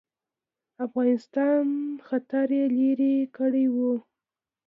افغانستان خطر یې لیري کړی وو.